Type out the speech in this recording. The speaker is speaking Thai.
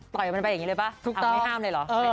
ต่อยมันไปอย่างนี้เลยปะไม่ห้ามเลยเหรอ